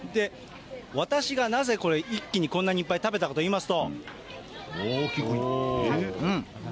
私がなぜこれ、一気にこんなにいっぱい食べたかといいますと、うん。